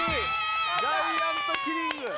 ジャイアントキリング！